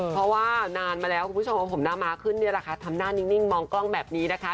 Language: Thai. เพราะว่านานมาแล้วผู้ชมของผมหน้ามาขึ้นทำหน้านิ่งมองกล้องแบบนี้นะคะ